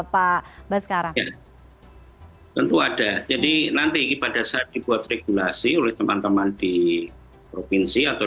pak baskar ya tentu ada jadi nanti pada saat dibuat regulasi oleh teman teman di provinsi atau